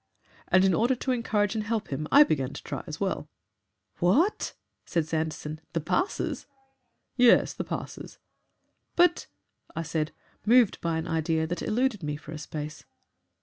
And in order to encourage and help him I began to try as well." "What!" said Sanderson, "the passes?" "Yes, the passes." "But " I said, moved by an idea that eluded me for a space.